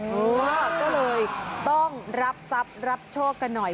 หรออ๋อก็เลยต้องรับซับรับโชคกันหน่อย